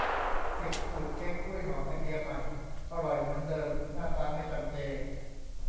สิบ สูตรเค้กกล้วยหอมไอเดียใหม่ อร่อยเหมือนเดิมหน้าตาไม่จำเจ